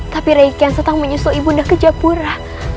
tapi rai kian santang menyusul ibu bunda ke japura